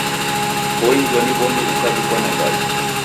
Oinjwa ni w'omi ukaw'ikwa nambai.